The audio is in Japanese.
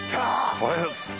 おはようございます。